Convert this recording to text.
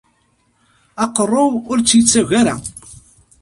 Aqerru-w ur tt-ittagi ara.